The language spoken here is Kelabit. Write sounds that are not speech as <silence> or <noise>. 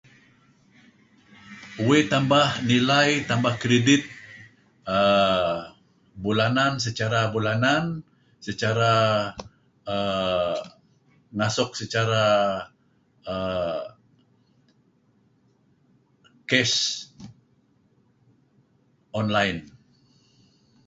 <noise> uih tambah nilai, tambah credit[aah]bulanan secara bulanan, secara [aah]masuk secara[aah] <silence> cash online.